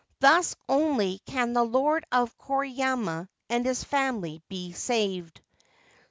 Thus only can the Lord of Koriyama and his family be saved.'